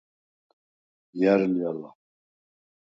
ჲა̈რ ლი ალა?